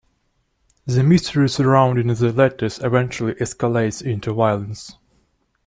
The mystery surrounding the letters eventually escalates into violence.